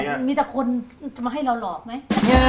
มันมีแต่คนจะมาให้เราหลอกไหม